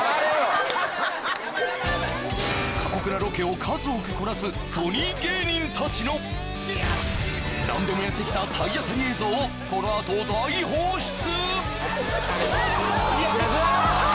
過酷なロケを数多くこなすソニー芸人たちの何でもやってきた体当たり映像をこのあと大放出！